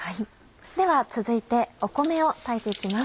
では続いて米を炊いて行きます。